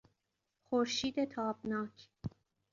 خورشید تابناک